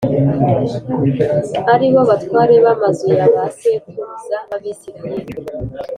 ari bo batware b’amazu ya ba sekuruza b’Abisirayeli